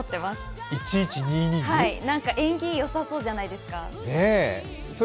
縁起よさそうじゃないですか。